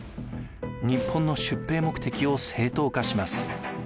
日本の出兵目的を正当化します。